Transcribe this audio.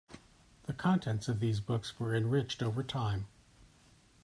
The contents of these books were enriched over time.